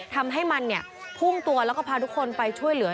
ทำให้มันพุ่งตัวแล้วก็พาทุกคนไปช่วยเหลือ